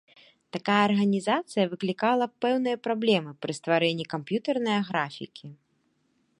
Такая арганізацыя выклікала пэўныя праблемы пры стварэнні камп'ютарнае графікі.